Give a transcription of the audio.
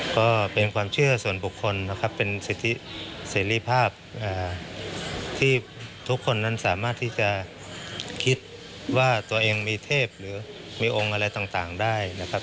ก็เป็นความเชื่อส่วนบุคคลนะครับเป็นสิทธิเสรีภาพที่ทุกคนนั้นสามารถที่จะคิดว่าตัวเองมีเทพหรือมีองค์อะไรต่างได้นะครับ